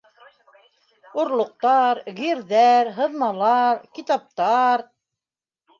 Орлоҡтар, герҙәр, һыҙмалар, китаптар...